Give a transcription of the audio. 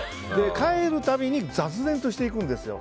帰るたびに雑然としていくんですよ。